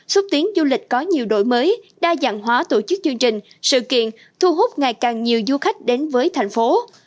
xúc tiến du lịch có nhiều đổi mới đa dạng hóa tổ chức chương trình sự kiện thu hút ngày càng nhiều du khách đến với thành phố